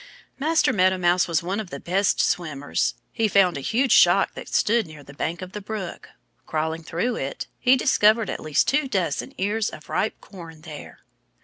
Master Meadow Mouse was one of the best swimmers. He found a huge shock that stood near the bank of the brook. Crawling through it, he discovered at least two dozen ears of ripe corn there.